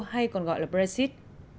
hay còn gọi là brexit